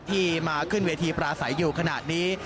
ที่มาขึ้นเวทีปราศัยอยู่ขนาดนี้